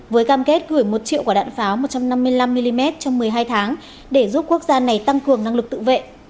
với cam kết gửi một triệu quả đạn pháo một trăm năm mươi năm mm trong một mươi hai tháng để giúp quốc gia này tăng cường năng lực tự vệ